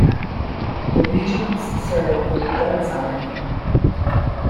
The Regents serve without salary.